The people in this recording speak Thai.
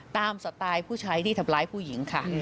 สไตล์ผู้ชายที่ทำร้ายผู้หญิงค่ะ